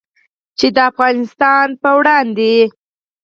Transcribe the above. چې د افغانستان په وړاندې